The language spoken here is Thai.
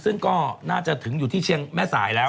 ซึ่งก็น่าจะถึงอยู่ที่เชียงแม่สายแล้ว